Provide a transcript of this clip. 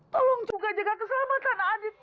tolong jangan sakitkan adit